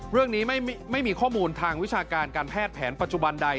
เรื่องนี้ไม่มีข้อมูลทางวิชาการการแพทย์แผนปัจจุบันใด